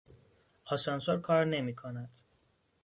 آسانسور کار نمیکند.